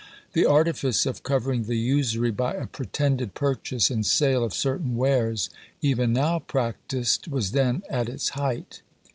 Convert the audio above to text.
The artifice of covering the usury by a pretended purchase and sale of certain wares, even now practised, was then at its height.